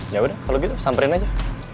ya udah kalau gitu samperin aja